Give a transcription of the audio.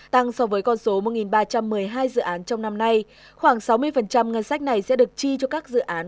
tăng so với con số một ba trăm một mươi hai dự án trong năm nay khoảng sáu mươi ngân sách này sẽ được chi cho các dự án